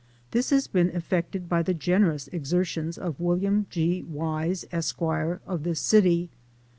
This has been effected by the generous exertions of Wm. G. Wise, Esq., of this city.